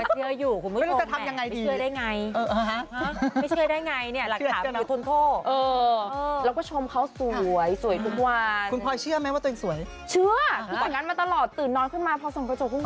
เพราะฉะนั้นมาตลอดตื่นนอนขึ้นมาพอสั่งกระจกคุณค่ะ